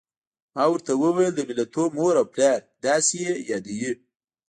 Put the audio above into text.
ما ورته وویل: د ملتونو مور او پلار، داسې یې یادوي.